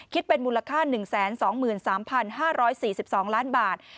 คิดเป็นมูลค่า๑๒๓๕๔๒ล้านบาท